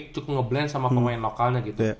cukup nge blend sama pemain lokalnya gitu